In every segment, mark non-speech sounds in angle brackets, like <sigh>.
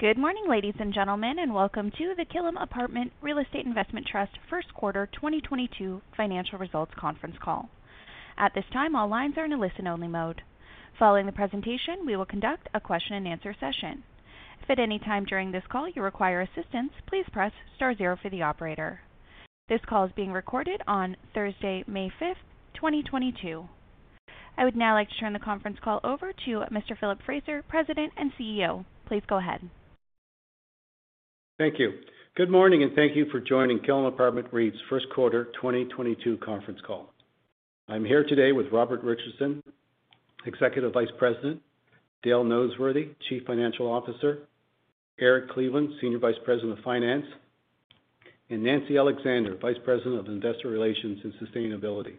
Good morning, ladies and gentlemen, and welcome to the Killam Apartment Real Estate Investment Trust first quarter 2022 financial results conference call. At this time, all lines are in a listen-only mode. Following the presentation, we will conduct a Q&A session. If at any time during this call you require assistance, please press star zero for the operator. This call is being recorded on Thursday, May 5th, 2022. I would now like to turn the conference call over to Mr. Philip Fraser, President and CEO. Please go ahead. Thank you. Good morning and thank you for joining Killam Apartment REIT's Q1 2022 conference call. I'm here today with Robert Richardson, Executive Vice President, Dale Noseworthy, Chief Financial Officer, Erin Cleveland, Senior Vice President of Finance, and Nancy Alexander, Vice President of Investor Relations and Sustainability.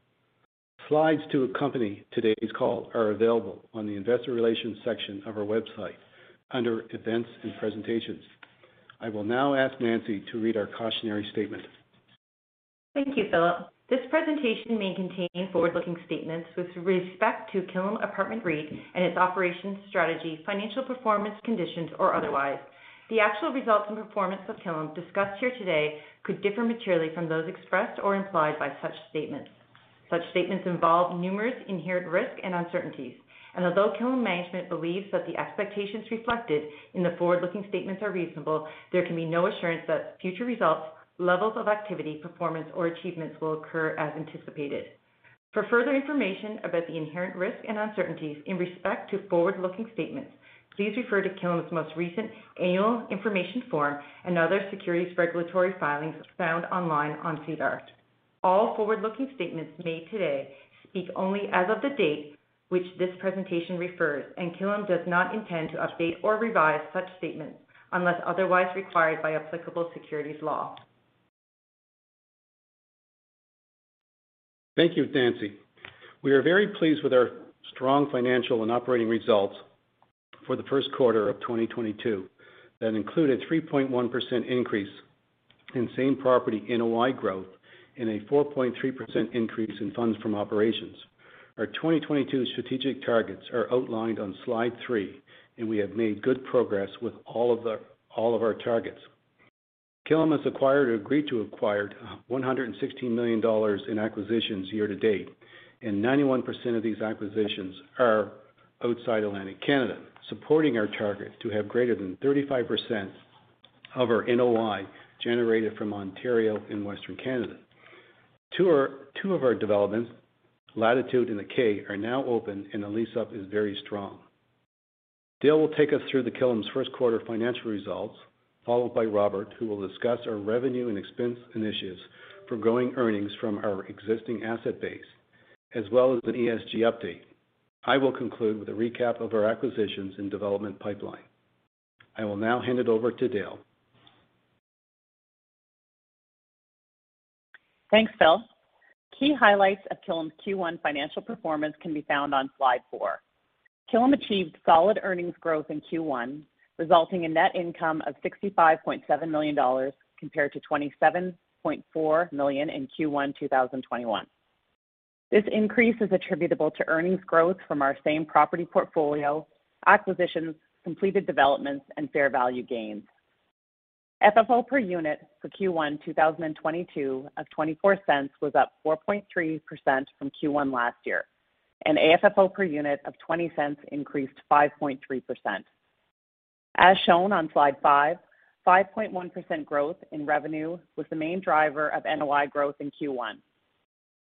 Slides to accompany today's call are available on the investor relations section of our website under Events and Presentations. I will now ask Nancy to read our cautionary statement. Thank you, Philip. This presentation may contain forward-looking statements with respect to Killam Apartment REIT and its operations, strategy, financial performance, conditions, or otherwise. The actual results and performance of Killam discussed here today could differ materially from those expressed or implied by such statements. Such statements involve numerous inherent risks and uncertainties, and although Killam management believes that the expectations reflected in the forward-looking statements are reasonable, there can be no assurance that future results, levels of activity, performance, or achievements will occur as anticipated. For further information about the inherent risk and uncertainties in respect to forward-looking statements, please refer to Killam's most recent annual information form and other securities regulatory filings found online on SEDAR. All forward-looking statements made today speak only as of the date which this presentation refers, and Killam does not intend to update or revise such statements unless otherwise required by applicable securities law. Thank you, Nancy. We are very pleased with our strong financial and operating results for the Q1 of 2022 that include a 3.1% increase in same-property NOI growth and a 4.3% increase in funds from operations. Our 2022 strategic targets are outlined on slide three, and we have made good progress with all of our targets. Killam has acquired or agreed to acquire 116 million dollars in acquisitions year-to-date, and 91% of these acquisitions are outside Atlantic Canada, supporting our target to have greater than 35% of our NOI generated from Ontario and Western Canada. Two of our developments, Latitude and The Kay, are now open, and the lease-up is very strong. Dale will take us through the Killam's Q1 financial results, followed by Robert, who will discuss our revenue and expense initiatives for growing earnings from our existing asset base, as well as an ESG update. I will conclude with a recap of our acquisitions and development pipeline. I will now hand it over to Dale. Thanks, Phil. Key highlights of Killam's Q1 financial performance can be found on slide four. Killam achieved solid earnings growth in Q1, resulting in net income of 65.7 million dollars compared to 27.4 million in Q1 2021. This increase is attributable to earnings growth from our same-property portfolio, acquisitions, completed developments, and fair value gains. FFO per unit for Q1 2022 of 0.24 was up 4.3% from Q1 last year, and AFFO per unit of 0.20 increased 5.3%. As shown on slide five, 5.1% growth in revenue was the main driver of NOI growth in Q1.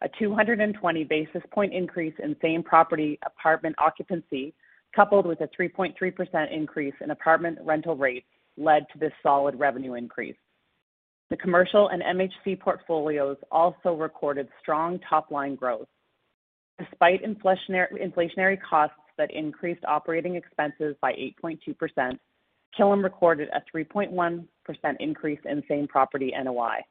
A 220 basis point increase in same-property apartment occupancy, coupled with a 3.3% increase in apartment rental rates, led to this solid revenue increase. The commercial and MHC portfolios also recorded strong top-line growth. Despite inflationary costs that increased operating expenses by 8.2%, Killam recorded a 3.1% increase in same-property NOI.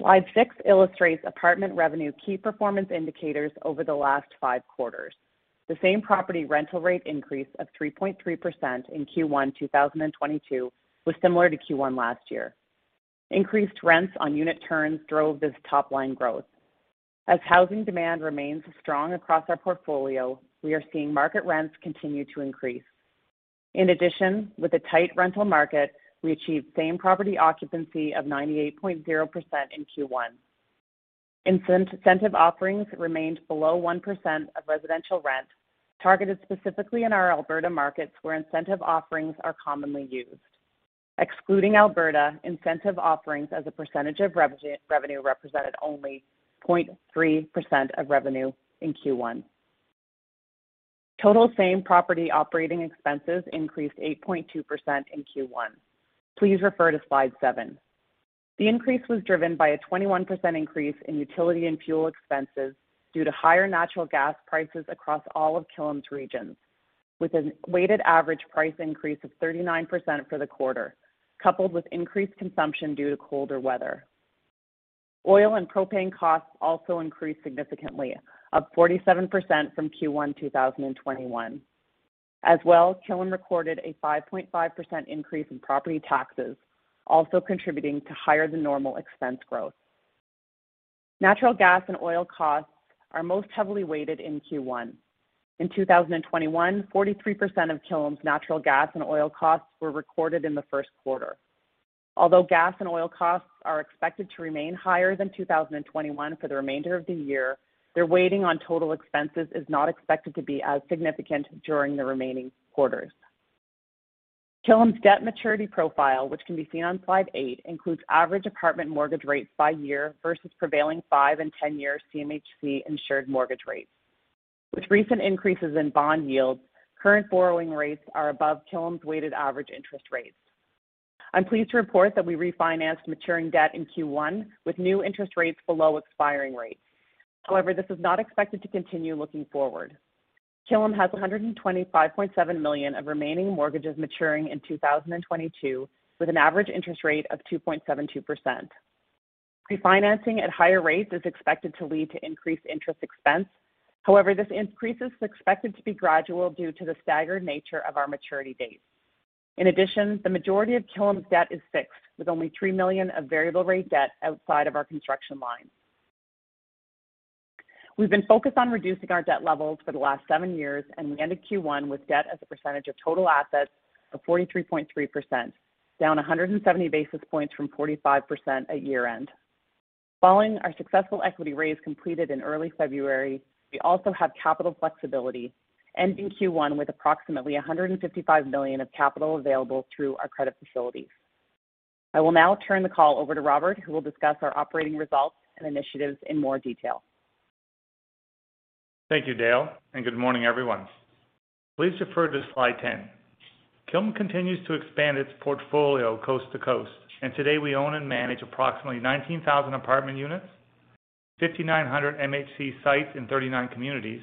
Slide six illustrates apartment revenue key performance indicators over the last five quarters. The same-property rental rate increase of 3.3% in Q1 2022 was similar to Q1 last year. Increased rents on unit turns drove this top-line growth. As housing demand remains strong across our portfolio, we are seeing market rents continue to increase. In addition, with a tight rental market, we achieved same-property occupancy of 98.0% in Q1. Incentive offerings remained below 1% of residential rent, targeted specifically in our Alberta markets, where incentive offerings are commonly used. Excluding Alberta, incentive offerings as a percentage of revenue represented only 0.3% of revenue in Q1. Total same-property operating expenses increased 8.2% in Q1. Please refer to slide seven. The increase was driven by a 21% increase in utility and fuel expenses due to higher natural gas prices across all of Killam's regions, with a weighted average price increase of 39% for the quarter, coupled with increased consumption due to colder weather. Oil and propane costs also increased significantly, up 47% from Q1 2021. As well, Killam recorded a 5.5% increase in property taxes, also contributing to higher than normal expense growth. Natural gas and oil costs are most heavily weighted in Q1. In 2021, 43% of Killam's natural gas and oil costs were recorded in the Q1. Although gas and oil costs are expected to remain higher than 2021 for the remainder of the year, their weighting on total expenses is not expected to be as significant during the remaining quarters. Killam's debt maturity profile, which can be seen on slide eight, includes average apartment mortgage rates by year versus prevailing five-year and 10-year CMHC insured mortgage rates. With recent increases in bond yields, current borrowing rates are above Killam's weighted average interest rates. I'm pleased to report that we refinanced maturing debt in Q1 with new interest rates below expiring rates. However, this is not expected to continue looking forward. Killam has 125.7 million of remaining mortgages maturing in 2022, with an average interest rate of 2.72%. Refinancing at higher rates is expected to lead to increased interest expense. However, this increase is expected to be gradual due to the staggered nature of our maturity dates. In addition, the majority of Killam's debt is fixed, with only 3 million of variable rate debt outside of our construction lines. We've been focused on reducing our debt levels for the last seven years, and we ended Q1 with debt as a percentage of total assets of 43.3%, down 170 basis points from 45% at year-end. Following our successful equity raise completed in early February, we also have capital flexibility, ending Q1 with approximately 155 million of capital available through our credit facilities. I will now turn the call over to Robert, who will discuss our operating results and initiatives in more detail. Thank you, Dale, and good morning, everyone. Please refer to slide 10. Killam continues to expand its portfolio coast to coast, and today we own and manage approximately 19,000 apartment units, 5,900 MHC sites in 39 communities,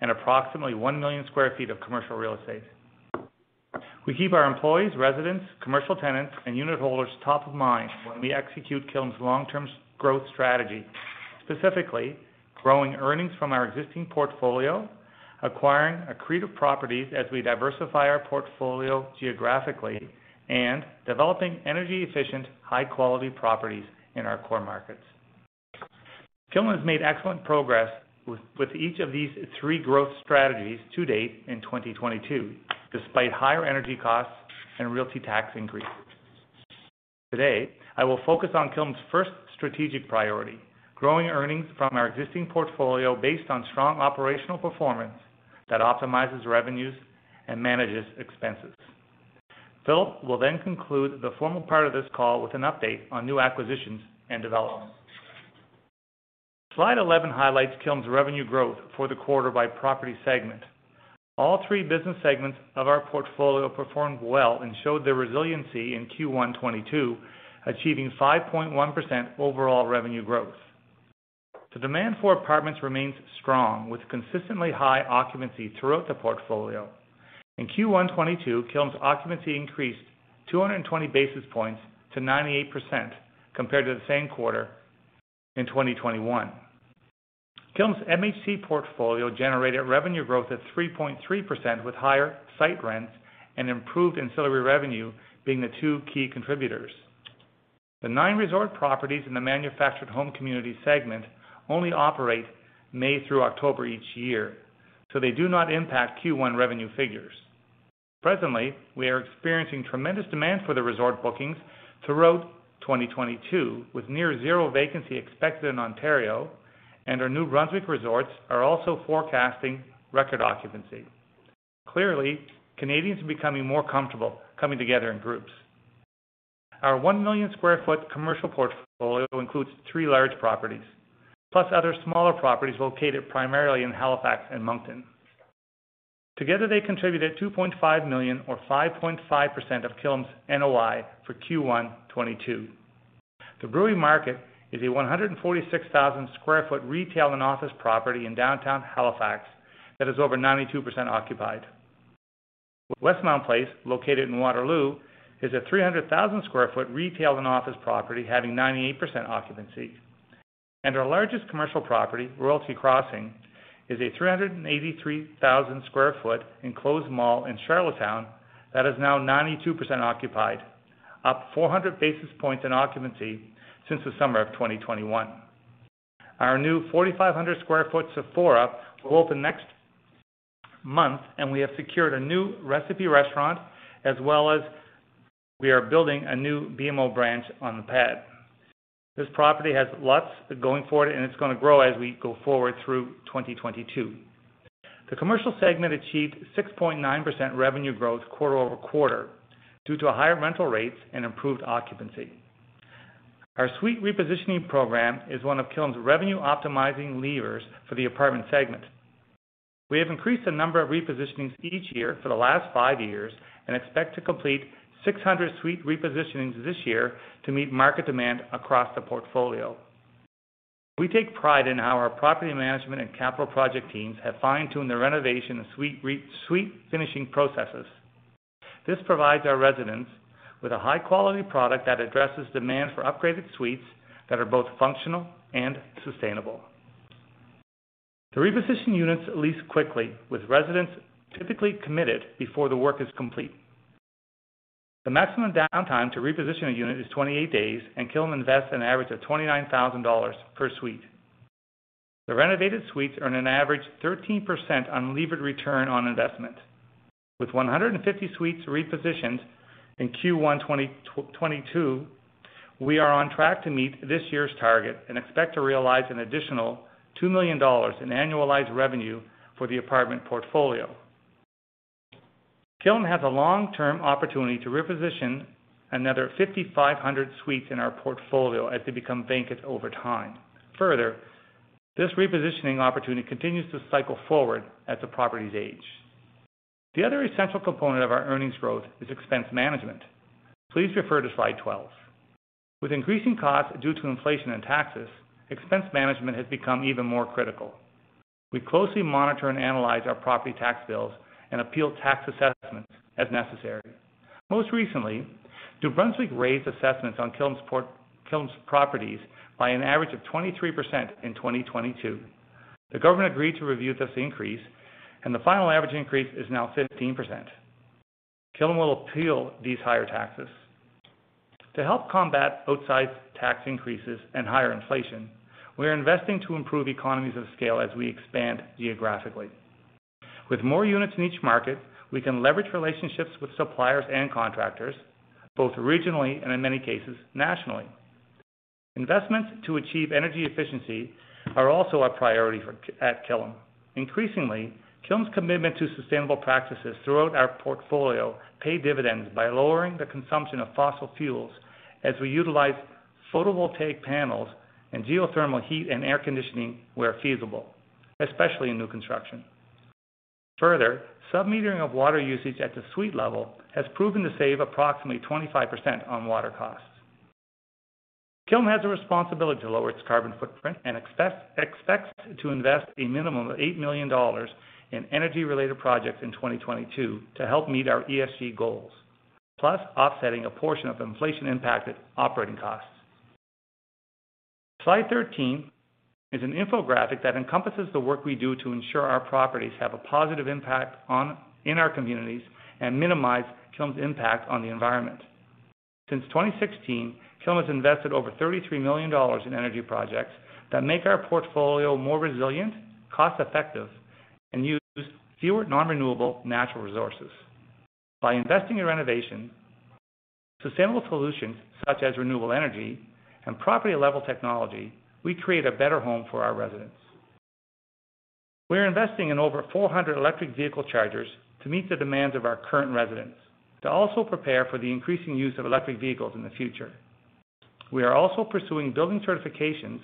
and approximately 1 million sq ft of commercial real estate. We keep our employees, residents, commercial tenants, and unit holders top of mind when we execute Killam's long-term growth strategy, specifically growing earnings from our existing portfolio, acquiring accretive properties as we diversify our portfolio geographically, and developing energy-efficient, high-quality properties in our core markets. Killam has made excellent progress with each of these three growth strategies to date in 2022, despite higher energy costs and realty tax increases. Today, I will focus on Killam's first strategic priority, growing earnings from our existing portfolio based on strong operational performance that optimizes revenues and manages expenses. Phil will then conclude the formal part of this call with an update on new acquisitions and developments. Slide 11 highlights Killam's revenue growth for the quarter by property segment. All three business segments of our portfolio performed well and showed their resiliency in Q1 2022, achieving 5.1% overall revenue growth. The demand for apartments remains strong, with consistently high occupancy throughout the portfolio. In Q1 2022, Killam's occupancy increased 220 basis points to 98% compared to the same quarter in 2021. Killam's MHC portfolio generated revenue growth of 3.3%, with higher site rents and improved ancillary revenue being the two key contributors. The nine resort properties in the manufactured home community segment only operate May through October each year, so they do not impact Q1 revenue figures. Presently, we are experiencing tremendous demand for the resort bookings throughout 2022, with near zero vacancy expected in Ontario, and our New Brunswick resorts are also forecasting record occupancy. Clearly, Canadians are becoming more comfortable coming together in groups. Our 1 million sq ft commercial portfolio includes three large properties, plus other smaller properties located primarily in Halifax and Moncton. Together, they contributed 2.5 million or 5.5% of Killam's NOI for Q1 2022. The Brewery Market is a 146,000 sq ft retail and office property in downtown Halifax that is over 92% occupied. Westmount Place, located in Waterloo, is a 300,000 sq ft retail and office property having 98% occupancy. Our largest commercial property, Royalty Crossing, is a 383,000 sq ft enclosed mall in Charlottetown that is now 92% occupied, up 400 basis points in occupancy since the summer of 2021. Our new 4,500 sq ft Sephora will open next month, and we have secured a new Recipe restaurant as well as we are building a new BMO branch on the pad. This property has lots going for it, and it's gonna grow as we go forward through 2022. The commercial segment achieved 6.9% revenue growth quarter-over-quarter due to higher rental rates and improved occupancy. Our suite repositioning program is one of Killam's revenue optimizing levers for the apartment segment. We have increased the number of repositioning each year for the last five years and expect to complete 600 suite repositioning this year to meet market demand across the portfolio. We take pride in how our property management and capital project teams have fine-tuned the renovation and suite finishing processes. This provides our residents with a high-quality product that addresses demand for upgraded suites that are both functional and sustainable. The reposition units lease quickly, with residents typically committed before the work is complete. The maximum downtime to reposition a unit is 28 days, and Killam invests an average of 29,000 dollars per suite. The renovated suites earn an average 13% unlevered return on investment. With 150 suites repositioned in Q1 2022, we are on track to meet this year's target and expect to realize an additional 2 million dollars in annualized revenue for the apartment portfolio. Killam has a long-term opportunity to reposition another 5,500 suites in our portfolio as they become vacant over time. Further, this repositioning opportunity continues to cycle forward as the properties age. The other essential component of our earnings growth is expense management. Please refer to slide 12. With increasing costs due to inflation and taxes, expense management has become even more critical. We closely monitor and analyze our property tax bills and appeal tax assessments as necessary. Most recently, New Brunswick raised assessments on Killam's properties by an average of 23% in 2022. The government agreed to review this increase, and the final average increase is now 15%. Killam will appeal these higher taxes. To help combat outsized tax increases and higher inflation, we are investing to improve economies of scale as we expand geographically. With more units in each market, we can leverage relationships with suppliers and contractors, both regionally and in many cases, nationally. Investments to achieve energy efficiency are also a priority for Killam. Increasingly, Killam's commitment to sustainable practices throughout our portfolio pay dividends by lowering the consumption of fossil fuels as we utilize photovoltaic panels and geothermal heat and air conditioning where feasible, especially in new construction. Further, sub-metering of water usage at the suite level has proven to save approximately 25% on water costs. Killam has a responsibility to lower its carbon footprint and expects to invest a minimum of 8 million dollars in energy-related projects in 2022 to help meet our ESG goals, plus offsetting a portion of inflation-impacted operating costs. Slide 13 is an infographic that encompasses the work we do to ensure our properties have a positive impact in our communities and minimize Killam's impact on the environment. Since 2016, Killam has invested over 33 million dollars in energy projects that make our portfolio more resilient, cost-effective, and use fewer non-renewable natural resources. By investing in renovation, sustainable solutions such as renewable energy, and property-level technology, we create a better home for our residents. We're investing in over 400 electric vehicle chargers to meet the demands of our current residents, to also prepare for the increasing use of electric vehicles in the future. We are also pursuing building certifications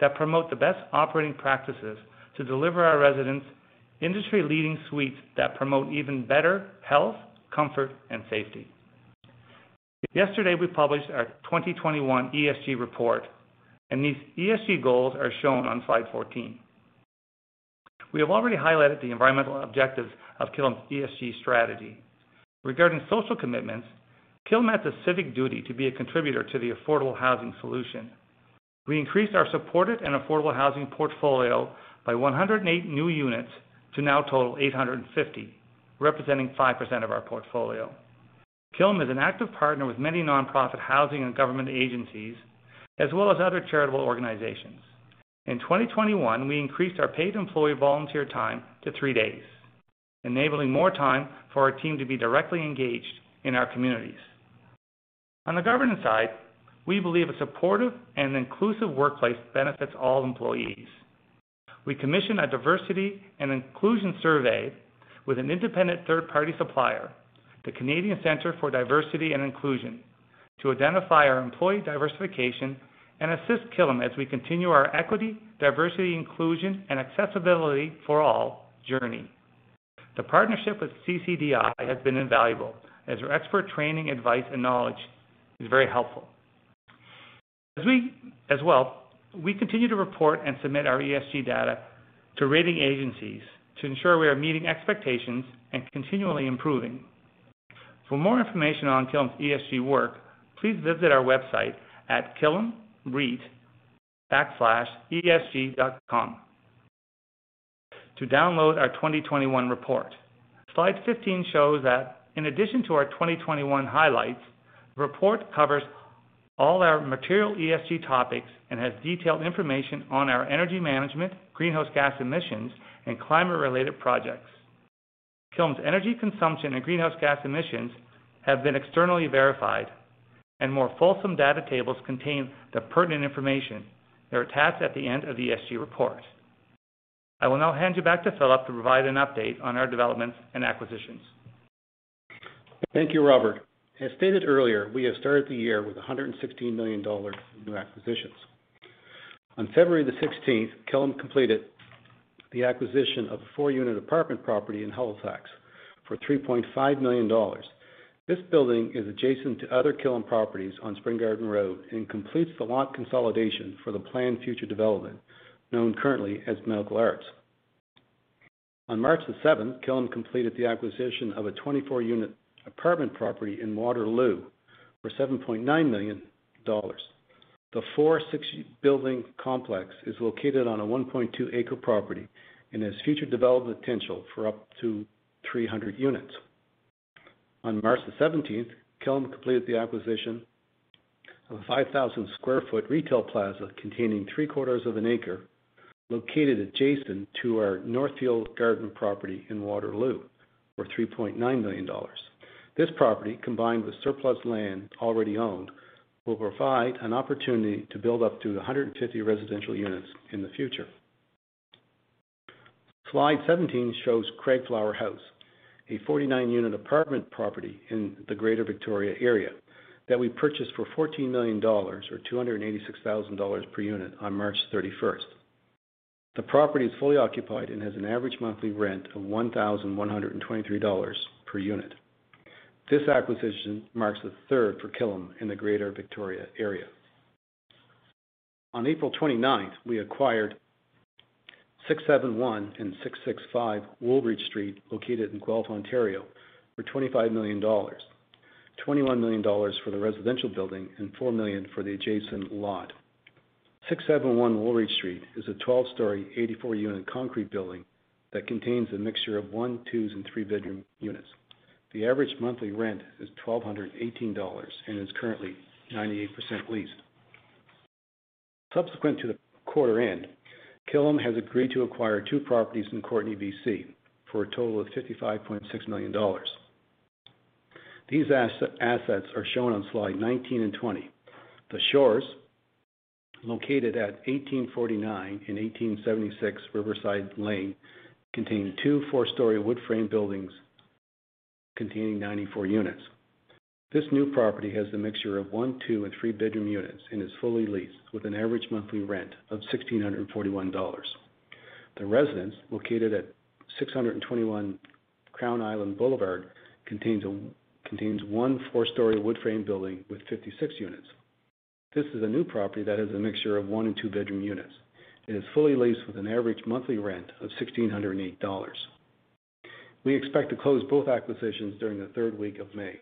that promote the best operating practices to deliver our residents industry-leading suites that promote even better health, comfort, and safety. Yesterday, we published our 2021 ESG report, and these ESG goals are shown on slide 14. We have already highlighted the environmental objectives of Killam's ESG strategy. Regarding social commitments, Killam has a civic duty to be a contributor to the affordable housing solution. We increased our supported and affordable housing portfolio by 108 new units to now total 850, representing 5% of our portfolio. Killam is an active partner with many nonprofit housing and government agencies, as well as other charitable organizations. In 2021, we increased our paid employee volunteer time to three days, enabling more time for our team to be directly engaged in our communities. On the governance side, we believe a supportive and inclusive workplace benefits all employees. We commissioned a diversity and inclusion survey with an independent third-party supplier, the Canadian Centre for Diversity and Inclusion, to identify our employee diversification and assist Killam as we continue our equity, diversity, inclusion, and accessibility for all journey. The partnership with CCDI has been invaluable as their expert training, advice, and knowledge is very helpful. As well, we continue to report and submit our ESG data to rating agencies to ensure we are meeting expectations and continually improving. For more information on Killam's ESG work, please visit our website at killamreit.com/esg. To download our 2021 report. Slide 15 shows that in addition to our 2021 highlights, the report covers all our material ESG topics and has detailed information on our energy management, greenhouse gas emissions, and climate-related projects. Killam's energy consumption and greenhouse gas emissions have been externally verified, and more fulsome data tables contain the pertinent information that are attached at the end of the ESG report. I will now hand you back to Philip to provide an update on our developments and acquisitions. Thank you, Robert. As stated earlier, we have started the year with 116 million dollars in new acquisitions. On February 16th, 2022, Killam completed the acquisition of a four-unit apartment property in Halifax for 3.5 million dollars. This building is adjacent to other Killam properties on Spring Garden Road and completes the lot consolidation for the planned future development known currently as Medical Arts. On March 7th, 2022, Killam completed the acquisition of a 24-unit apartment property in Waterloo for 7.9 million dollars. The 460 building complex is located on a 1.2 acre property and has future development potential for up to 300 units. On March 17th, 2022, Killam completed the acquisition of a 5,000 sq ft retail plaza containing three-quarters of an acre located adjacent to our Northfield Gardens property in Waterloo for 3.9 million dollars. This property, combined with surplus land already owned, will provide an opportunity to build up to 150 residential units in the future. Slide 17 shows Craigflower House, a 49-unit apartment property in the Greater Victoria area that we purchased for 14 million dollars or 286,000 dollars per unit on March 31st, 2022. The property is fully occupied and has an average monthly rent of 1,123 dollars per unit. This acquisition marks the third for Killam in the Greater Victoria area. On April 29th, 2022, we acquired 671 and 665 Woolwich Street, located in Guelph, Ontario, for 25 million dollars. 21 million dollars for the residential building and 4 million for the adjacent lot. 671 Woolwich Street is a 12-story, 84-unit concrete building that contains a mixture of one-bedroom, two-bedroom, and three-bedroom units. The average monthly rent is 1,218 dollars and is currently 98% leased. Subsequent to the quarter end, Killam has agreed to acquire two properties in Courtenay, BC, for a total of 55.6 million dollars. These assets are shown on slide 19 and 20. The Shores, located at 1,849 and 1,876 Riverside Lane, contain two four-story wood-framed buildings containing 94 units. This new property has the mixture of one-bedroom, two-bedroom, and three-bedroom units and is fully leased with an average monthly rent of 1,641 dollars. The Residences, located at 621 Crown Isle Boulevard, contains one four-story wood-framed building with 56 units. This is a new property that has a mixture of one-bedroom and two-bedroom units. It is fully leased with an average monthly rent of 1,608 dollars. We expect to close both acquisitions during the third week of May.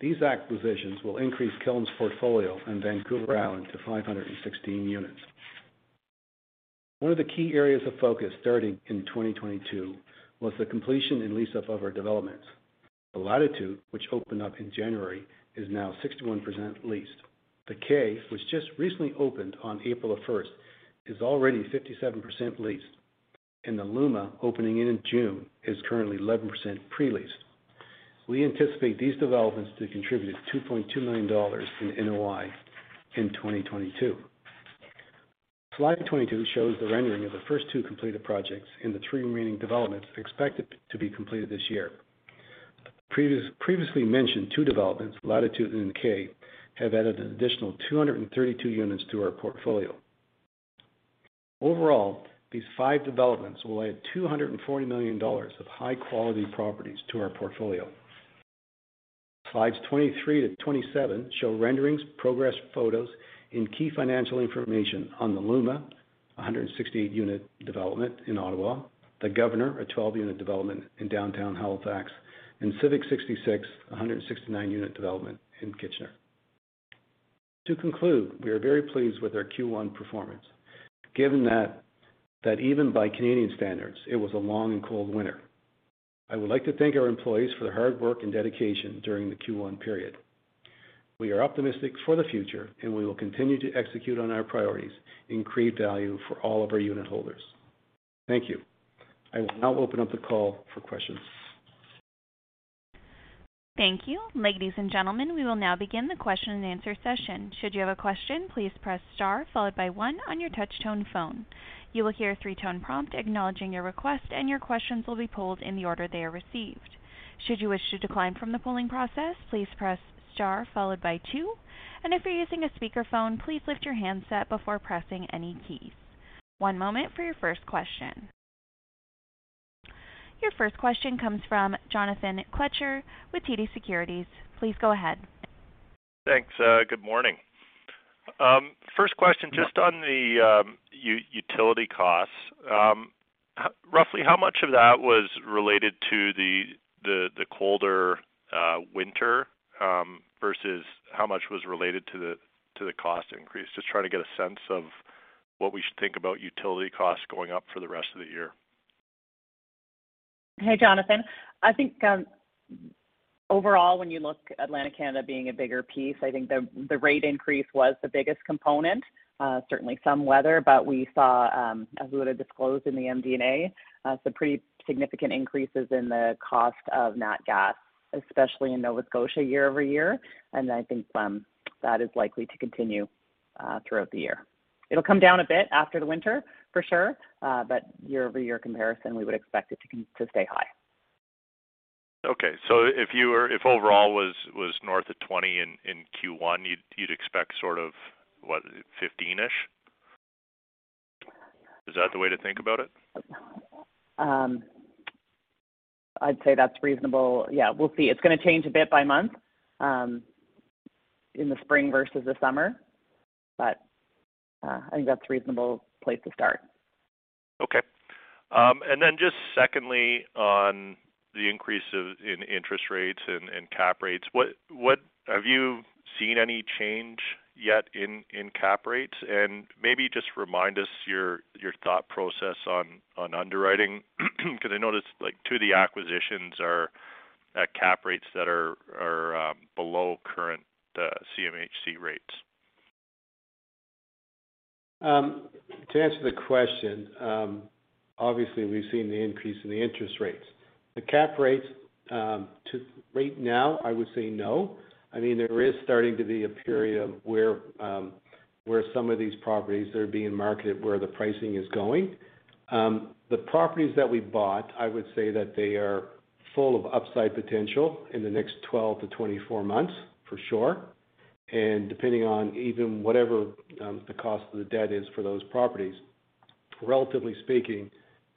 These acquisitions will increase Killam's portfolio on Vancouver Island to 516 units. One of the key areas of focus starting in 2022 was the completion and lease up of our developments. The Latitude, which opened up in January, is now 61% leased. The Kay, which just recently opened on April 1st, 2022, is already 57% leased. The Luma, opening in June 2022, is currently 11% pre-leased. We anticipate these developments to contribute 2.2 million dollars in NOI in 2022. Slide 22 shows the rendering of the first two completed projects and the three remaining developments expected to be completed this year. Previously mentioned two developments, Latitude and The Kay, have added an additional 232 units to our portfolio. Overall, these five developments will add 240 million dollars of high-quality properties to our portfolio. Slides 23-27 show renderings, progress photos, and key financial information on the Luma, a 168-unit development in Ottawa, The Governor, a 12-unit development in downtown Halifax, and Civic 66, a 169-unit development in Kitchener. To conclude, we are very pleased with our Q1 performance. Given that even by Canadian standards, it was a long and cold winter. I would like to thank our employees for their hard work and dedication during the Q1 period. We are optimistic for the future, and we will continue to execute on our priorities and create value for all of our unitholders. Thank you. I will now open up the call for questions. Thank you. Ladies and gentlemen, we will now begin the Q&A session. Should you have a question, please press star followed by one on your touch tone phone. You will hear a three-tone prompt acknowledging your request, and your questions will be pulled in the order they are received. Should you wish to decline from the polling process, please press star followed by two. If you're using a speakerphone, please lift your handset before pressing any keys. One moment for your first question. Your first question comes from Jonathan Kelcher with TD Securities. Please go ahead. Thanks. Good morning. First question, just on the utility costs. Roughly how much of that was related to the colder winter? Versus how much was related to the cost increase? Just trying to get a sense of what we should think about utility costs going up for the rest of the year. Hey, Jonathan. I think overall, when you look at Atlantic Canada being a bigger piece, I think the rate increase was the biggest component. Certainly some weather, but we saw as we would have disclosed in the MD&A, some pretty significant increases in the cost of natural gas, especially in Nova Scotia year-over-year. I think that is likely to continue throughout the year. It'll come down a bit after the winter for sure. Year-over-year comparison, we would expect it to stay high. Okay. If overall was north of 20% in Q1, you'd expect sort of what, 15%-ish? Is that the way to think about it? I'd say that's reasonable. Yeah, we'll see. It's gonna change a bit by month, in the spring versus the summer. I think that's a reasonable place to start. Okay. Just secondly, on the increase in interest rates and cap rates, what have you seen any change yet in cap rates? Maybe just remind us your thought process on underwriting. Cause I noticed, like, two of the acquisitions are at cap rates that are below current CMHC rates. To answer the question, obviously we've seen the increase in the interest rates. The cap rates right now, I would say no. I mean, there is starting to be a period where some of these properties that are being marketed, where the pricing is going. The properties that we bought, I would say that they are full of upside potential in the next 12 months-24 months, for sure. Depending on even whatever the cost of the debt is for those properties, relatively speaking,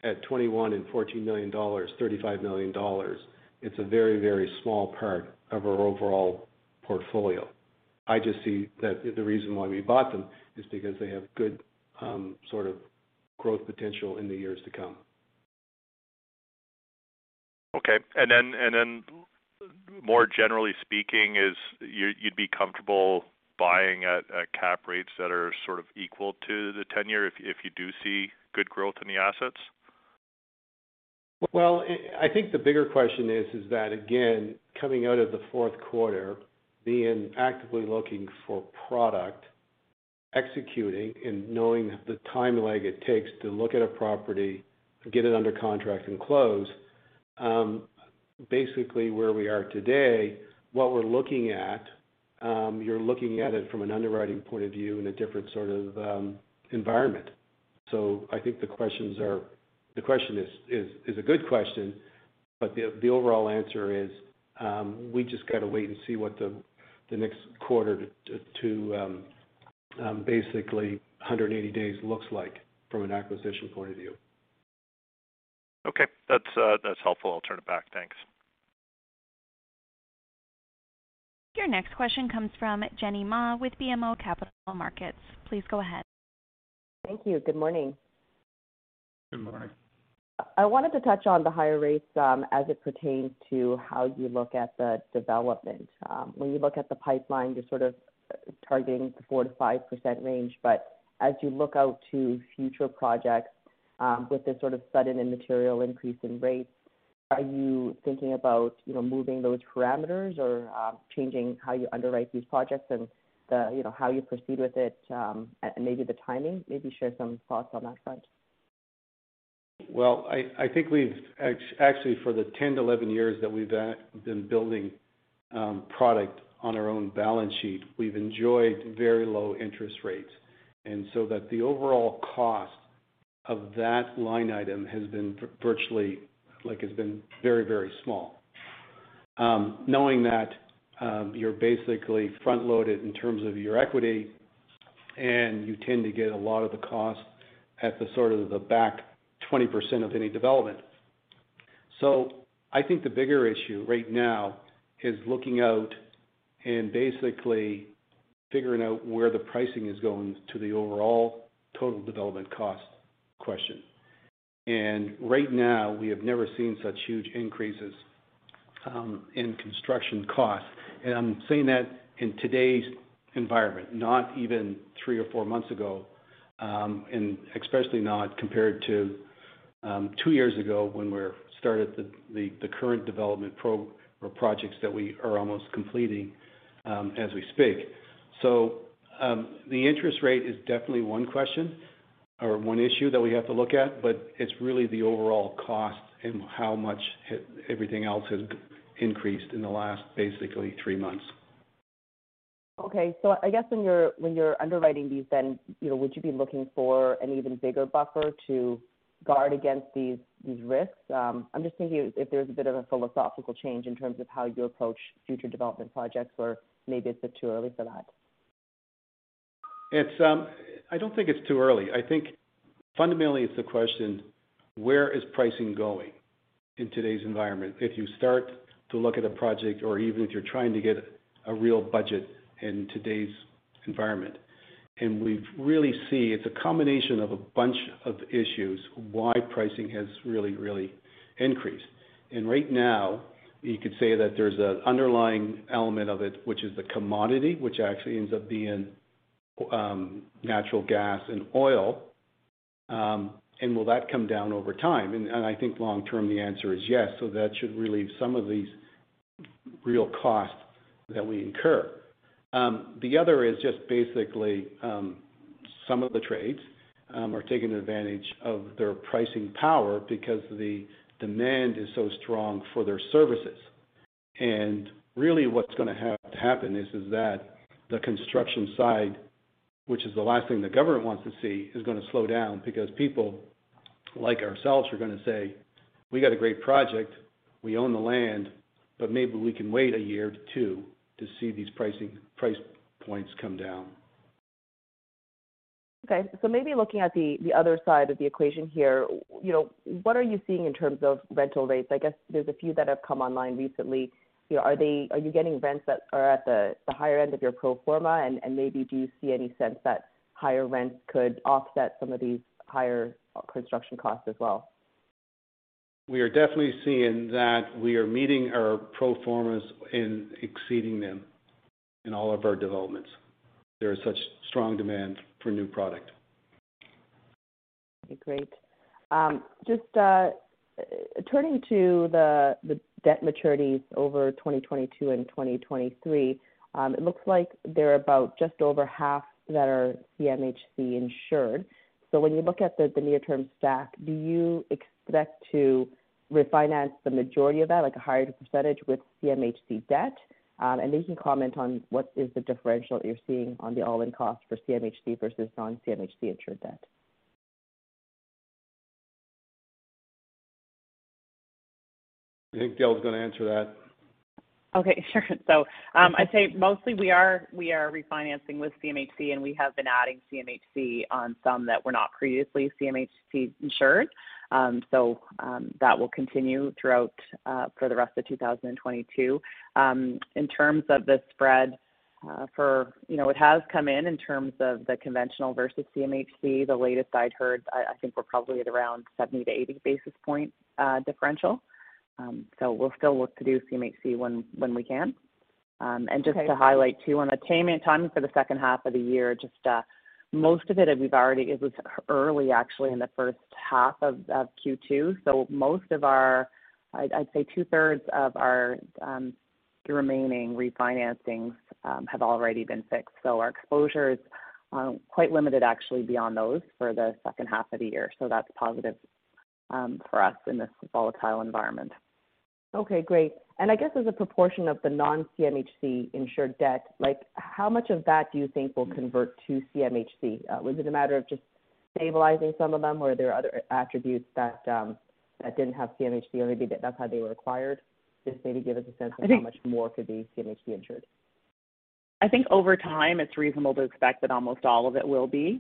at 21 million and 14 million dollars, 35 million dollars, it's a very, very small part of our overall portfolio. I just see that the reason why we bought them is because they have good sort of growth potential in the years to come. Okay. More generally speaking, is you you'd be comfortable buying at cap rates that are sort of equal to the 10-year if you do see good growth in the assets? Well, I think the bigger question is that, again, coming out of the Q4, being actively looking for product, executing and knowing the time lag it takes to look at a property, get it under contract and close, basically where we are today, what we're looking at, you're looking at it from an underwriting point of view in a different sort of environment. I think the question is a good question, but the overall answer is, we just gotta wait and see what the next quarter or two basically 180 days looks like from an acquisition point of view. Okay. That's helpful. I'll turn it back. Thanks. Your next question comes from Jenny Ma with BMO Capital Markets. Please go ahead. Thank you. Good morning. Good morning. I wanted to touch on the higher rates, as it pertains to how you look at the development. When you look at the pipeline, you're sort of targeting the 4%-5% range. As you look out to future projects, with this sort of sudden and material increase in rates, are you thinking about, you know, moving those parameters or, changing how you underwrite these projects and, you know, how you proceed with it, and maybe the timing? Maybe share some thoughts on that front. I think actually, for the 10 years-11 years that we've been building product on our own balance sheet, we've enjoyed very low interest rates. That the overall cost of that line item has been virtually, like, it's been very, very small. Knowing that, you're basically front-loaded in terms of your equity, and you tend to get a lot of the costs at the sort of the back 20% of any development. I think the bigger issue right now is looking out and basically figuring out where the pricing is going to the overall total development cost question. Right now, we have never seen such huge increases in construction costs. I'm saying that in today's environment, not even three months or four months ago, and especially not compared to two years ago when we started the current development projects that we are almost completing, as we speak. The interest rate is definitely one question or one issue that we have to look at, but it's really the overall cost and how much everything else has increased in the last basically three months. Okay. I guess when you're underwriting these then, you know, would you be looking for an even bigger buffer to guard against these risks? I'm just thinking if there's a bit of a philosophical change in terms of how you approach future development projects, or maybe it's too early for that? It's, I don't think it's too early. I think fundamentally it's the question, where is pricing going in today's environment? If you start to look at a project or even if you're trying to get a real budget in today's environment, and we've really seen it's a combination of a bunch of issues why pricing has really increased. Right now, you could say that there's an underlying element of it, which is the commodity, which actually ends up being natural gas and oil, and will that come down over time? I think long term, the answer is yes. That should relieve some of these real costs that we incur. The other is just basically some of the trades are taking advantage of their pricing power because the demand is so strong for their services. Really what's gonna happen is that the construction side, which is the last thing the government wants to see, is gonna slow down because people like ourselves are gonna say, "We got a great project. We own the land, but maybe we can wait a year or two to see these price points come down. Okay. Maybe looking at the other side of the equation here, you know, what are you seeing in terms of rental rates? I guess there's a few that have come online recently. You know, are you getting rents that are at the higher end of your pro forma? And maybe do you see any sense that higher rents could offset some of these higher construction costs as well? We are definitely seeing that we are meeting our pro formas and exceeding them in all of our developments. There is such strong demand for new product. Okay, great. Just turning to the debt maturities over 2022 and 2023, it looks like they're about just over half that are CMHC insured. When you look at the near-term stack, do you expect to refinance the majority of that, like a higher percentage with CMHC debt? Maybe you can comment on what is the differential that you're seeing on the all-in cost for CMHC versus non-CMHC insured debt. I think Dale's gonna answer that. Okay, sure. I'd say mostly we are refinancing with CMHC, and we have been adding CMHC on some that were not previously CMHC insured. That will continue throughout for the rest of 2022. In terms of the spread, you know, it has come in in terms of the conventional versus CMHC. The latest I'd heard, I think we're probably at around 70-80 basis points differential. We'll still look to do CMHC when we can. Just to highlight too on attainment timing for the H2 of the year, most of it was early actually in the H1 of Q2. Most of our I'd say 2/3 of our remaining refinancings have already been fixed. Our exposure is quite limited actually beyond those for the H2 of the year. That's positive for us in this volatile environment. Okay, great. I guess as a proportion of the non-CMHC insured debt, like how much of that do you think will convert to CMHC? Was it a matter of just stabilizing some of them or are there other attributes that didn't have CMHC or maybe that's not how they were acquired? Just maybe give us a sense of how much more could be CMHC insured. I think over time, it's reasonable to expect that almost all of it will be.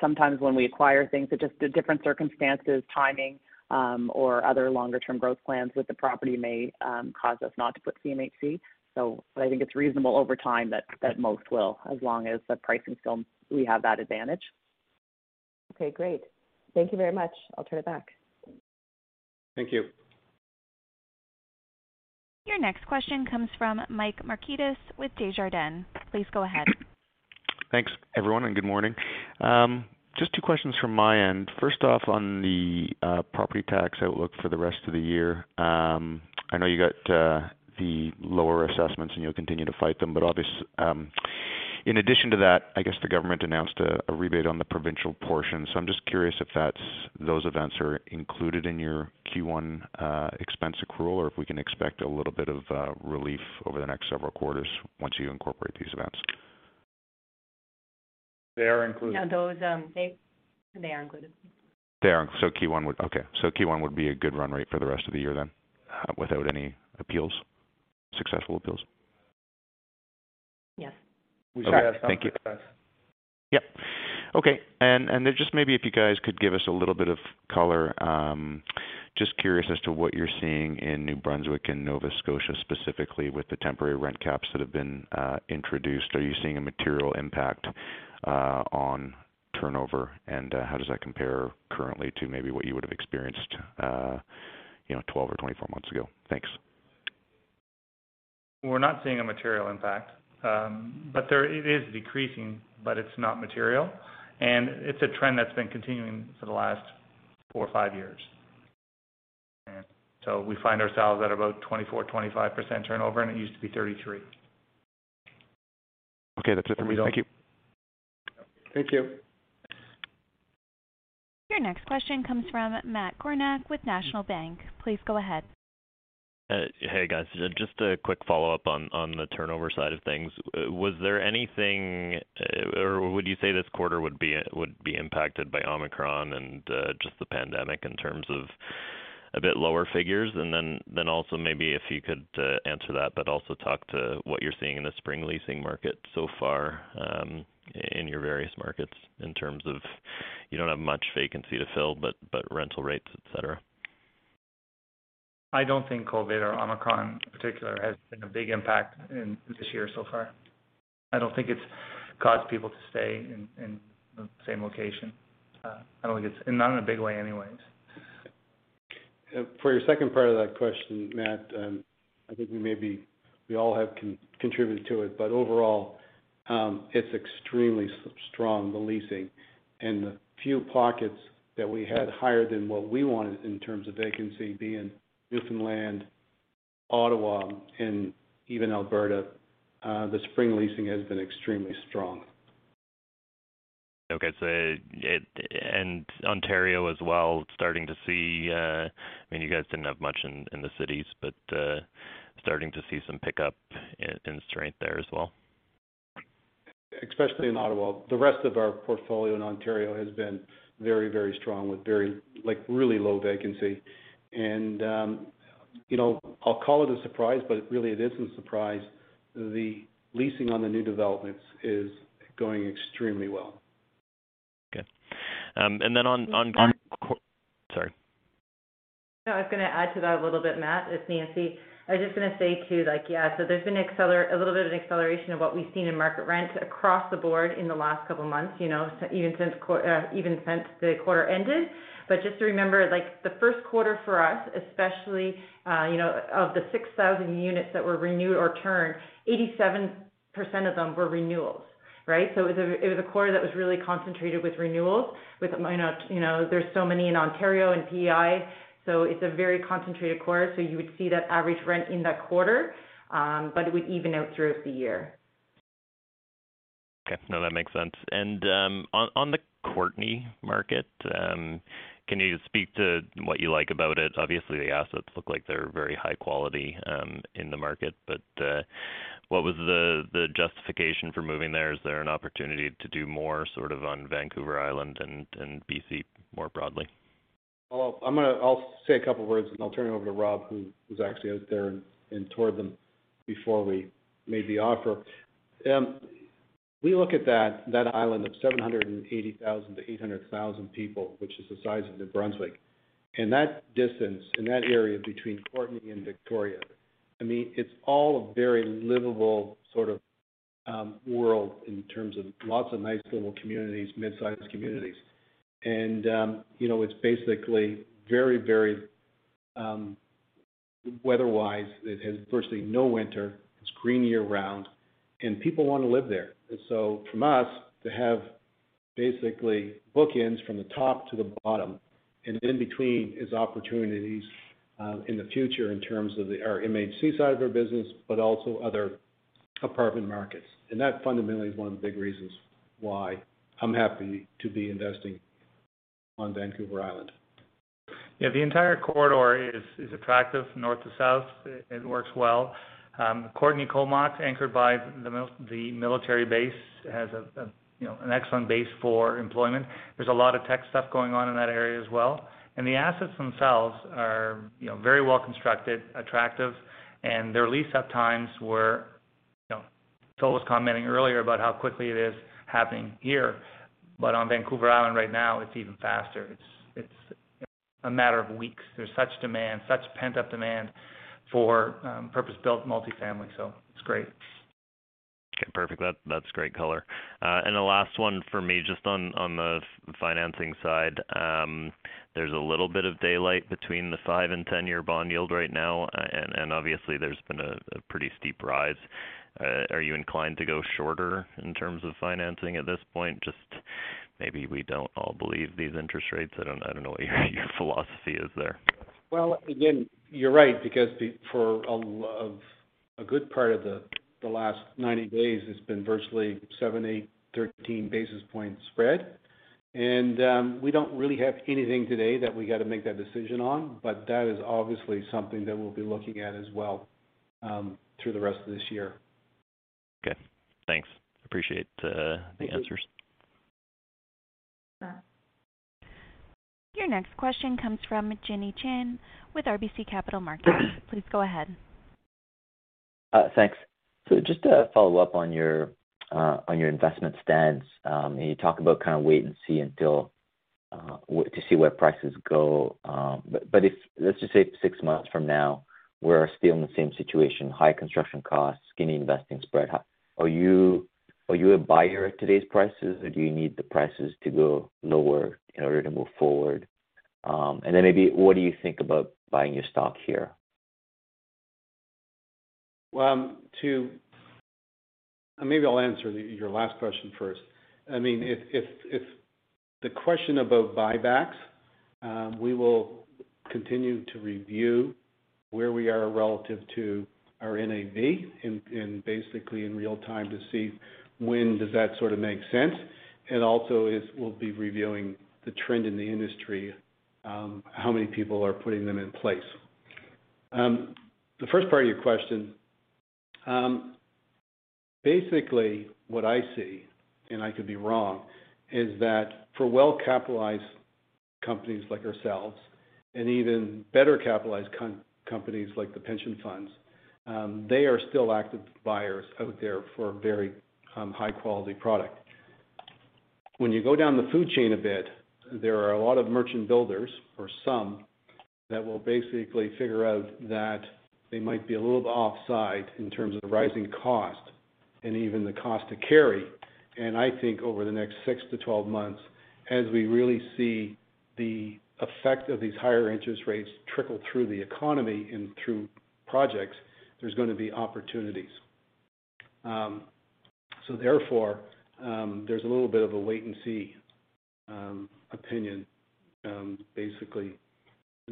Sometimes when we acquire things at just the different circumstances, timing, or other longer term growth plans with the property may cause us not to put CMHC. I think it's reasonable over time that most will, as long as the pricing still we have that advantage. Okay, great. Thank you very much. I'll turn it back. Thank you. Your next question comes from Mike Markidis with Desjardins. Please go ahead. Thanks, everyone, and good morning. Just two questions from my end. First off, on the property tax outlook for the rest of the year. I know you got the lower assessments and you'll continue to fight them. In addition to that, I guess the government announced a rebate on the provincial portion. I'm just curious if those events are included in your Q1 expense accrual, or if we can expect a little bit of relief over the next several quarters once you incorporate these events? They are included. Yeah, those, they are included. Q1 would be a good run rate for the rest of the year then, without any appeals, successful appeals? Yes. We should have some success. Okay, thank you. Yep. Okay. Just maybe if you guys could give us a little bit of color, just curious as to what you're seeing in New Brunswick and Nova Scotia, specifically with the temporary rent caps that have been introduced. Are you seeing a material impact on turnover? How does that compare currently to maybe what you would have experienced, you know, 12 months or 24 months ago? Thanks. We're not seeing a material impact. It is decreasing, but it's not material. It's a trend that's been continuing for the last four years or five years. We find ourselves at about 24%, 25% turnover, and it used to be 33%. Okay, that's it for me. Thank you. Thank you. Your next question comes from Matt Kornack with National Bank. Please go ahead. Hey, guys. Just a quick follow-up on the turnover side of things. Was there anything, or would you say this quarter would be impacted by Omicron and just the pandemic in terms of a bit lower figures? Also maybe if you could answer that, but also talk to what you're seeing in the spring leasing market so far, in your various markets in terms of you don't have much vacancy to fill, but rental rates, et cetera? I don't think COVID or Omicron in particular has been a big impact in this year so far. I don't think it's caused people to stay in the same location. I don't think it's not in a big way anyways. For your second part of that question, Matt, I think we all have contributed to it, but overall, it's extremely strong, the leasing. The few pockets that we had higher than what we wanted in terms of vacancy being Newfoundland, Ottawa, and even Alberta, the spring leasing has been extremely strong. Ontario as well, starting to see, I mean, you guys didn't have much in the cities, but starting to see some pickup and strength there as well? Especially in Ottawa. The rest of our portfolio in Ontario has been very, very strong with very, like, really low vacancy. You know, I'll call it a surprise, but really it isn't surprise. The leasing on the new developments is going extremely well. Okay. <crosstalk> Sorry. No, I was gonna add to that a little bit, Matt. It's Nancy. I was just gonna say too, like, yeah, so there's been a little bit of an acceleration of what we've seen in market rent across the board in the last couple months, you know, so even since the quarter ended. Just to remember, like, the Q1 for us, especially, you know, of the 6,000 units that were renewed or turned, 87% of them were renewals, right? It was a quarter that was really concentrated with renewals, with, you know, there's so many in Ontario and PEI, so it's a very concentrated quarter, so you would see that average rent in that quarter, but it would even out through the year. Okay. No, that makes sense. On the Courtenay market, can you speak to what you like about it? Obviously, the assets look like they're very high quality in the market, but what was the justification for moving there? Is there an opportunity to do more sort of on Vancouver Island and BC more broadly? Well, I'm gonna say a couple words, and I'll turn it over to Rob, who was actually out there and toured them before we made the offer. We look at that island of 780,000-800,000 people, which is the size of New Brunswick. In that distance, in that area between Courtenay and Victoria, I mean, it's all a very livable sort of world in terms of lots of nice little communities, midsize communities. You know, it's basically very weather-wise, it has virtually no winter, it's green year-round, and people wanna live there. From us to have basically bookends from the top to the bottom and in between is opportunities in the future in terms of our MHC side of our business, but also other apartment markets. That fundamentally is one of the big reasons why I'm happy to be investing on Vancouver Island. Yeah. The entire corridor is attractive north to south. It works well. Courtenay-Comox, anchored by the military base, has an excellent base for employment. There's a lot of tech stuff going on in that area as well. The assets themselves are very well-constructed, attractive, and their lease-up times were, you know, Phil was commenting earlier about how quickly it is happening here. On Vancouver Island right now, it's even faster. It's a matter of weeks. There's such demand, such pent-up demand for purpose-built multifamily, so it's great. Okay, perfect. That's great color. The last one for me, just on the financing side. There's a little bit of daylight between the five-year and 10-year bond yield right now, and obviously there's been a pretty steep rise. Are you inclined to go shorter in terms of financing at this point? Just maybe we don't all believe these interest rates. I don't know what your philosophy is there. Well, again, you're right because for a good part of the last 90 days, it's been virtually 7, 8, 13 basis points spread. We don't really have anything today that we gotta make that decision on, but that is obviously something that we'll be looking at as well through the rest of this year. Okay. Thanks. Appreciate the answers. Sure. Your next question comes from Jimmy Shan with RBC Capital Markets. Please go ahead. Just to follow up on your investment stance, you talk about kind of wait and see until we see where prices go. But if let's just say six months from now, we're still in the same situation, high construction costs, skinny investment spread, are you a buyer of today's prices or do you need the prices to go lower in order to move forward? Maybe what do you think about buying your stock here? Maybe I'll answer your last question first. I mean, if the question about buybacks, we will continue to review where we are relative to our NAV and basically in real time to see when does that sort of make sense. Also, we'll be reviewing the trend in the industry, how many people are putting them in place. The first part of your question, basically what I see, and I could be wrong, is that for well-capitalized companies like ourselves and even better capitalized companies like the pension funds, they are still active buyers out there for very high quality product. When you go down the food chain a bit, there are a lot of merchant builders or some that will basically figure out that they might be a little offside in terms of the rising cost and even the cost to carry. I think over the next 6 months-12 months, as we really see the effect of these higher interest rates trickle through the economy and through projects, there's gonna be opportunities. Therefore, there's a little bit of a wait and see opinion basically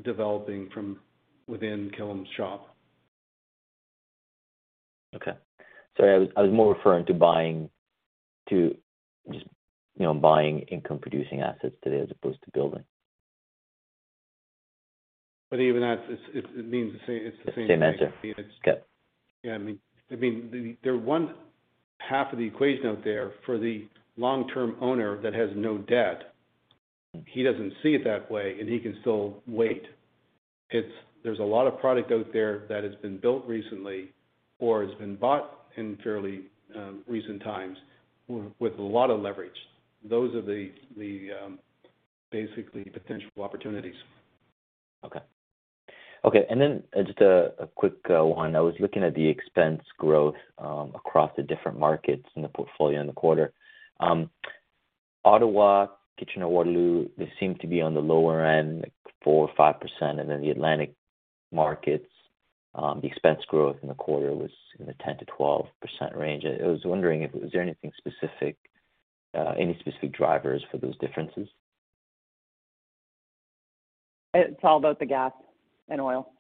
developing from within Killam's shop. Okay. Sorry, I was more referring to just, you know, buying income producing assets today as opposed to building. Even that, it means the same. It's the same thing. Same answer. Okay. Yeah, I mean, the 1/2 of the equation out there for the long-term owner that has no debt. He doesn't see it that way, and he can still wait. There's a lot of product out there that has been built recently or has been bought in fairly recent times with a lot of leverage. Those are the basically potential opportunities. Okay. Just a quick one. I was looking at the expense growth across the different markets in the portfolio in the quarter. Ottawa, Kitchener, Waterloo, they seem to be on the lower end, like 4% or 5%. The Atlantic markets, the expense growth in the quarter was in the 10%-12% range. I was wondering if there was anything specific, any specific drivers for those differences? It's all about the gas and oil.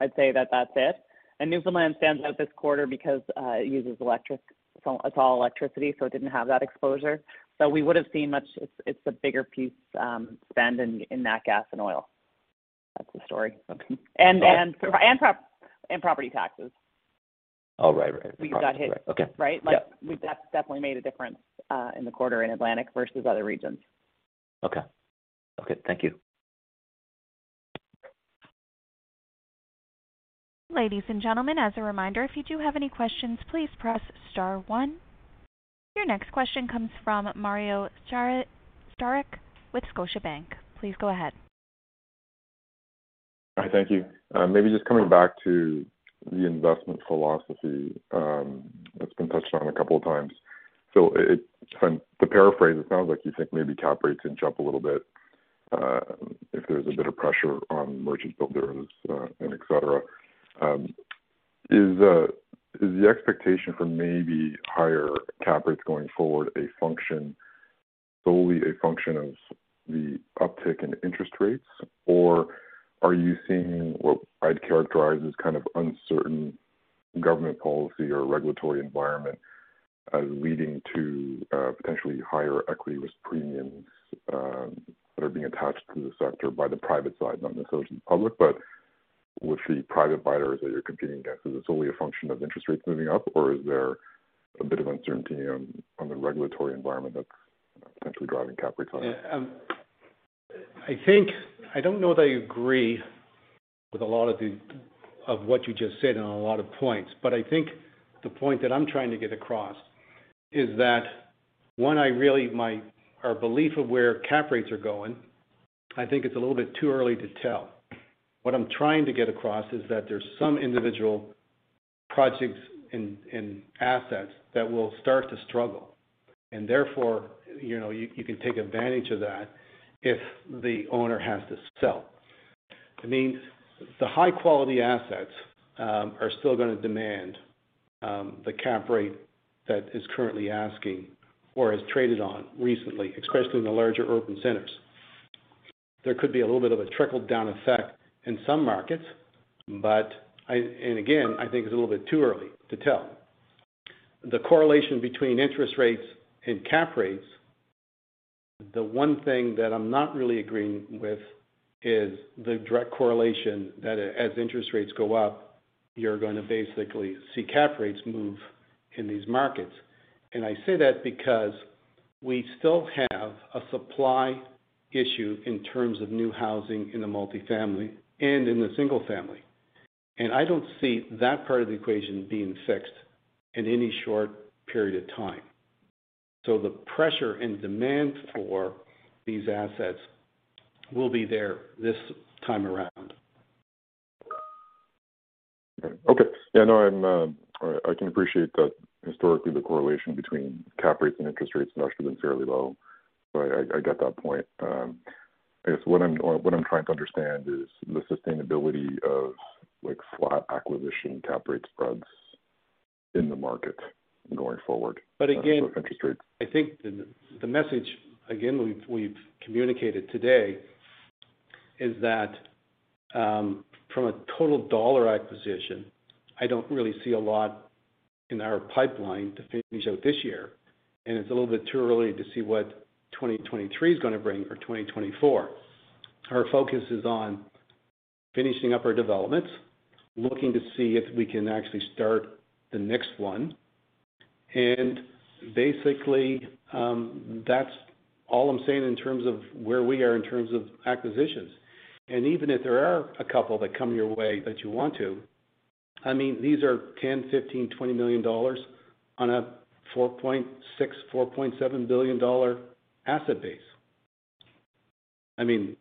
I'd say that that's it. Newfoundland stands out this quarter because it uses electricity. It's all electricity, so it didn't have that exposure. It's a bigger piece spend in that gas and oil. That's the story. Okay. And property taxes. Oh, right. Right. We got hit. Okay. Right? Yeah. Like, that's definitely made a difference in the quarter in Atlantic versus other regions. Okay. Okay, thank you. Ladies and gentlemen, as a reminder, if you do have any questions, please press star one. Your next question comes from Mario Saric with Scotiabank. Please go ahead. Hi. Thank you. Maybe just coming back to the investment philosophy, that's been touched on a couple of times. To paraphrase, it sounds like you think maybe cap rates can jump a little bit, if there's a bit of pressure on merchant builders, and et cetera. Is the expectation for maybe higher cap rates going forward solely a function of the uptick in interest rates? Or are you seeing what I'd characterize as kind of uncertain government policy or regulatory environment as leading to potentially higher equity risk premiums that are being attached to the sector by the private side, not necessarily the public. With the private buyers that you're competing against, is it solely a function of interest rates moving up, or is there a bit of uncertainty on the regulatory environment that's potentially driving cap rates up? Yeah, I think I don't know that I agree with a lot of what you just said on a lot of points. I think the point that I'm trying to get across is that, one, our belief of where cap rates are going, I think it's a little bit too early to tell. What I'm trying to get across is that there's some individual projects and assets that will start to struggle, and therefore, you can take advantage of that if the owner has to sell. I mean, the high-quality assets are still gonna demand the cap rate that is currently asking or has traded on recently, especially in the larger urban centers. There could be a little bit of a trickle-down effect in some markets, but, and again, I think it's a little bit too early to tell. The correlation between interest rates and cap rates, the one thing that I'm not really agreeing with is the direct correlation that as interest rates go up, you're gonna basically see cap rates move in these markets. I say that because we still have a supply issue in terms of new housing in the multifamily and in the single family. I don't see that part of the equation being fixed in any short period of time. The pressure and demand for these assets will be there this time around. Okay. Yeah, no, I can appreciate that historically, the correlation between cap rates and interest rates has actually been fairly low. I get that point. I guess what I'm or what I'm trying to understand is the sustainability of like flat acquisition cap rate spreads in the market going forward. But again. Interest rates. I think the message again, we've communicated today is that, from a total dollar acquisition, I don't really see a lot in our pipeline to finish out this year. It's a little bit too early to see what 2023 is gonna bring or 2024. Our focus is on finishing up our developments, looking to see if we can actually start the next one. Basically, that's all I'm saying in terms of where we are in terms of acquisitions. Even if there are a couple that come your way that you want to, I mean, these are 10 million dollars, 15 million, 20 million dollars on a 4.6 billion-4.7 billion dollar asset base. I mean,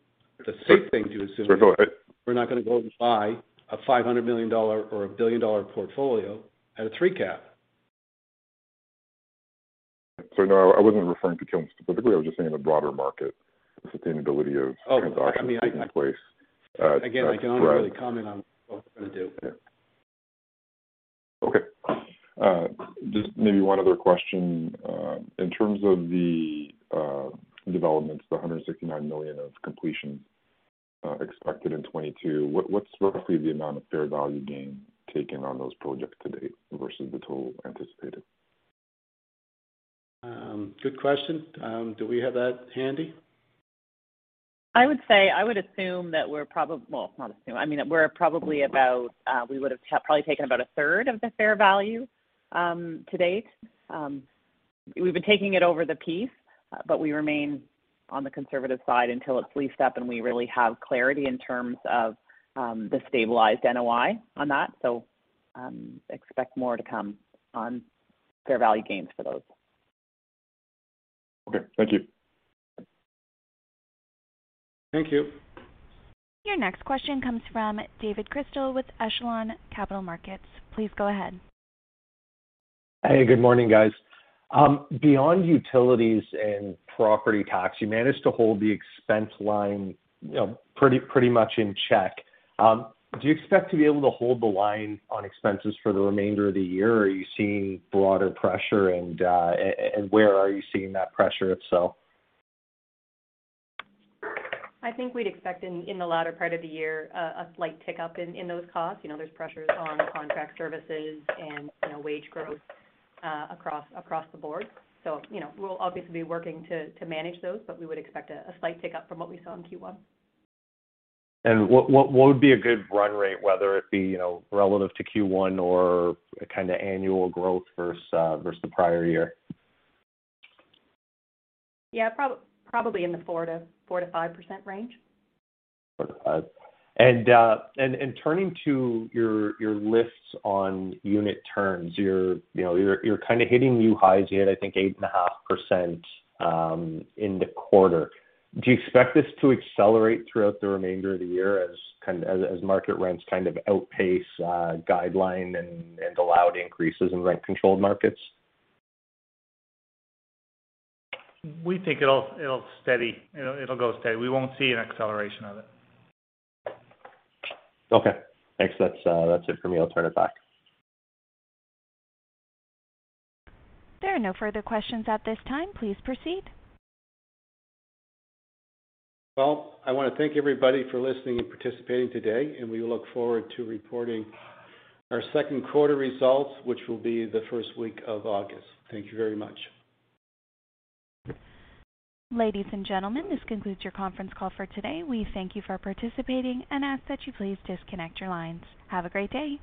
the safe thing to assume. Sorry. Go ahead. We're not gonna go and buy a 500 million dollar or 1 billion dollar portfolio at a three cap. Sorry. No, I wasn't referring to Killam specifically. I was just saying the broader market, the sustainability of transactions taking place. Again, I can't really comment on what we're gonna do. Yeah. Okay. Just maybe one other question. In terms of the developments, the 169 million of completion expected in 2022, what's roughly the amount of fair value gain taken on those projects to date versus the total anticipated? Good question. Do we have that handy? I would say. Well, not assume. I mean, we're probably about. We would've probably taken about a 1/3 of the fair value to date. We've been taking it over the past, but we remain on the conservative side until it's leased up and we really have clarity in terms of the stabilized NOI on that. Expect more to come on fair value gains for those. Okay. Thank you. Thank you. Your next question comes from David Chrystal with Echelon Capital Markets. Please go ahead. Hey, good morning, guys. Beyond utilities and property tax, you managed to hold the expense line, you know, pretty much in check. Do you expect to be able to hold the line on expenses for the remainder of the year, or are you seeing broader pressure? Where are you seeing that pressure itself? I think we'd expect in the latter part of the year a slight tick up in those costs. You know, there's pressures on contract services and, you know, wage growth across the board. You know, we'll obviously be working to manage those, but we would expect a slight tick up from what we saw in Q1. What would be a good run rate, whether it be, you know, relative to Q1 or a kinda annual growth versus the prior year? Yeah, probably in the 4%-5% range. 4%-5%. Turning to your lifts on unit turns, you're, you know, kinda hitting new highs. You had, I think, 8.5% in the quarter. Do you expect this to accelerate throughout the remainder of the year as market rents kind of outpace guideline and allowed increases in rent-controlled markets? We think it'll steady. It'll go steady. We won't see an acceleration of it. Okay. Thanks. That's it for me. I'll turn it back. There are no further questions at this time. Please proceed. Well, I wanna thank everybody for listening and participating today, and we look forward to reporting our Q2 results, which will be the first week of August. Thank you very much. Ladies and gentlemen, this concludes your conference call for today. We thank you for participating and ask that you please disconnect your lines. Have a great day.